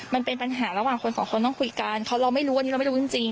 มันเป็นปัญหาระหว่างคนสองคนต้องคุยกันเพราะเราไม่รู้วันนี้เราไม่รู้จริงจริง